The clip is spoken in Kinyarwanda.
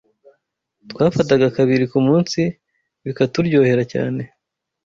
twafataga kabiri ku munsi, bikaturyohera cyane